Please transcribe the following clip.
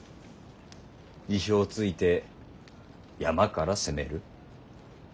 意表をついて山から攻める？